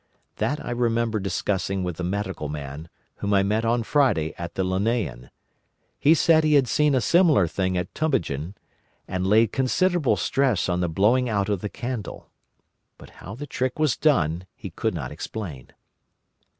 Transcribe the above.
That I remember discussing with the Medical Man, whom I met on Friday at the Linnæan. He said he had seen a similar thing at Tübingen, and laid considerable stress on the blowing out of the candle. But how the trick was done he could not explain.